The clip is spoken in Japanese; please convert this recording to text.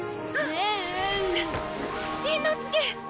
しんのすけ！